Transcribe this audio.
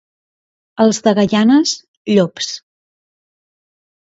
Els de Gaianes, llops.